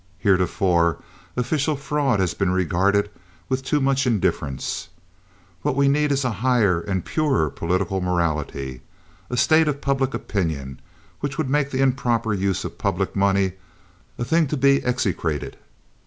Heretofore, official fraud has been regarded with too much indifference. What we need is a higher and purer political morality—a state of public opinion which would make the improper use of public money a thing to be execrated.